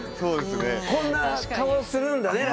こんな顔するんだね